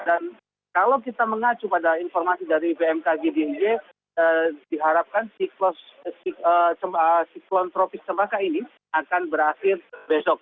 dan kalau kita mengacu pada informasi dari bmk gdi diharapkan siklon tropis sempaka ini akan berakhir besok